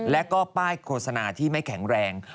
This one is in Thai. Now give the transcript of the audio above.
แล้วก็ป้ายโฆษณาที่ไม่แข็งแรง